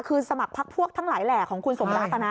คือสมัครพักพวกทั้งหลายแหล่ของคุณสมรักนะ